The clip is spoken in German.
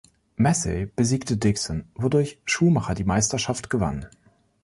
Massey besiegte Dixon, wodurch Schumacher die Meisterschaft gewann.